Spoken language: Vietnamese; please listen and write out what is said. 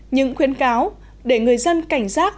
nhưng khuyến cáo để người dân cảnh giác